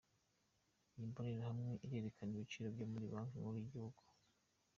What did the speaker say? Iyi mbonerahamwe irerekana ibiciro byo muri banki nkuru y'igihugu.